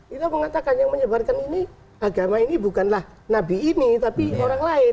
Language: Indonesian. kita mengatakan yang menyebarkan ini agama ini bukanlah nabi ini tapi orang lain